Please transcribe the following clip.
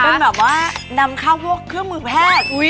เป็นแบบว่านำเข้าพวกเครื่องมือแพทย์